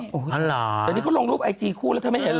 เดี๋ยวนี้ก็ลงรูปไอจีคู่แล้วถ้าไม่เห็นเหรอ